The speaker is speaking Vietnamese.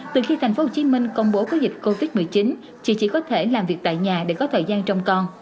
từ khi tp hcm công bố có dịch covid một mươi chín chị chỉ có thể làm việc tại nhà để có thời gian trong con